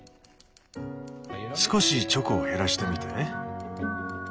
少しチョコを減らしてみて。